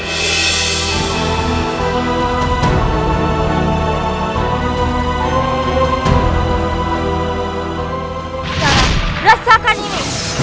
sekarang rasakan ini